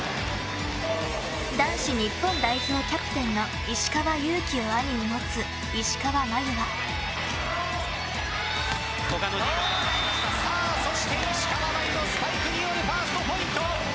男子日本代表キャプテンの石川祐希を兄に持つさあ、そして石川真佑のスパイクによるファーストポイント。